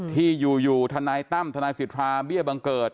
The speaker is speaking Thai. ที่อยู่ทนายตั้มทนายสิทธาเบี้ยบังเกิด